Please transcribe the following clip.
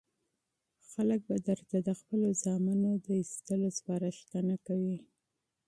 خلک به درته د خپلو زامنو د ایستلو سپارښتنه کوي.